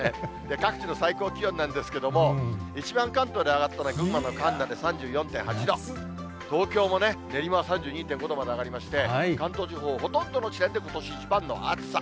各地の最高気温なんですけども、一番関東で上がったのは群馬の神流で３４．８度、東京も練馬は３２．５度まで上がりまして、関東地方、ほとんどの地点でことし一番の暑さ。